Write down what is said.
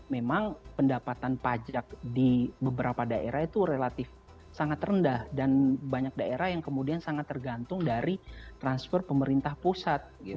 memang pendapatan pajak di beberapa daerah itu relatif sangat rendah dan banyak daerah yang kemudian sangat tergantung dari transfer pemerintah pusat